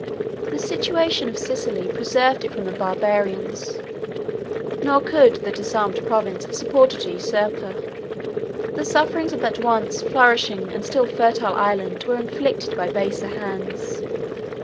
The situation of Sicily preserved it from the Barbarians; nor could the disarmed province have supported a usurper. The sufferings of that once flourishing and still fertile island were inflicted by baser hands.